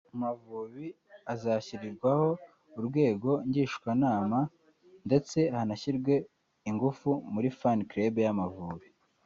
Amavubi azashyirirwaho urwego ngishwanama ndetse hanashyirwe ingufu muri Fan Club y'Amavubi